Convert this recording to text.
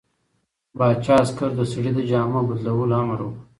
پاچا عسکرو ته د سړي د جامو د بدلولو امر وکړ.